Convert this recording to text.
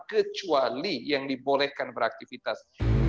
kecuali yang dibolehkan beraktivitas